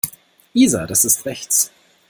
Isa, das ist rechts.